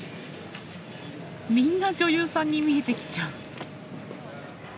みんな女優さんに見えてきちゃう。